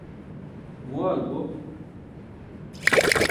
muwaalu bo